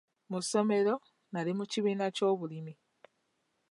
Mu ssomero, nali mu kibiina ky'ebyobulimi.